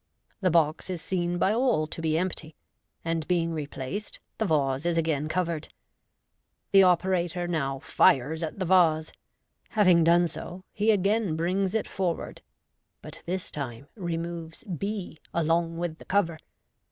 The box is seen by all to be empty, and, being replaced,, the vase is again covered. The operator now fires at the vase. Having done so, he again brings it forward, but this time removes b along with the cover.